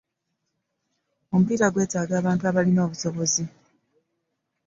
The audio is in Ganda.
Omupiira gwetaaga abantu abalina obusobozi.